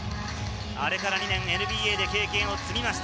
あれから２年、ＮＢＡで経験を積みました。